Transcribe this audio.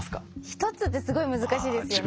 一つってすごい難しいですよね。